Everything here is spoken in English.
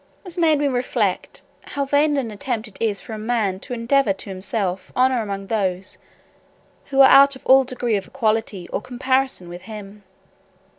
This made me reflect, how vain an attempt it is for a man to endeavour to do himself honour among those who are out of all degree of equality or comparison with him.